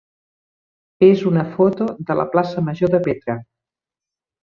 és una foto de la plaça major de Petra.